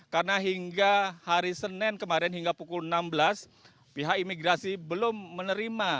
karena hingga hari senin kemarin hingga pukul enam belas pihak imigrasi belum menerima